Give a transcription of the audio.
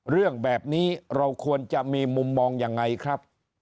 เรื่องแบบนี้เราควรจะมีมุมมองยังไงครับ